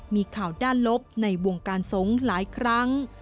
มีข่าวด้านลบในวงการสงฆ์หลายครั้ง